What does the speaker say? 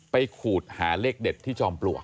ขูดหาเลขเด็ดที่จอมปลวก